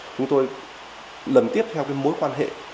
chúng tôi lần tiếp theo cái mối quan hệ